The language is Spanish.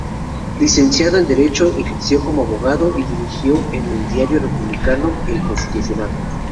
Licenciado en Derecho, ejerció como abogado y dirigió el diario republicano "El Constitucional".